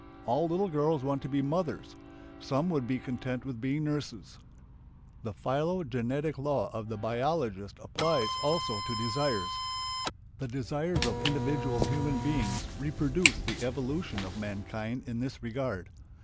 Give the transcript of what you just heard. All little girls want to be "mothers"; some would be content with being "nurses." The phylogenetic law of the biologist applies also to desires. The desires of individual human beings reproduce the evolution of mankind in this regard.